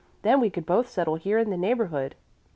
Then we could both settle here in the neighborhood."